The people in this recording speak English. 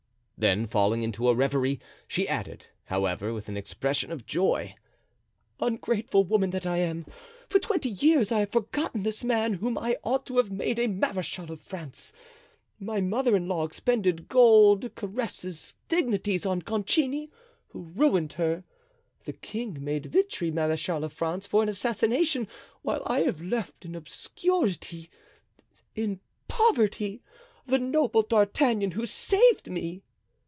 Then falling into a reverie, she added, however, with an expression of joy, "Ungrateful woman that I am, for twenty years I have forgotten this man, whom I ought to have made a marechal of France. My mother in law expended gold, caresses, dignities on Concini, who ruined her; the king made Vitry marechal of France for an assassination: while I have left in obscurity, in poverty, the noble D'Artagnan, who saved me!"